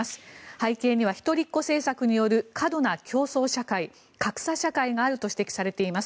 背景には一人っ子政策による過度な競争社会格差社会があると指摘されています。